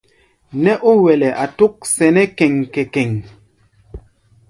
Nɛ́ ó wele a tók sɛnɛ kɛ́n-kɛ-kɛ́n.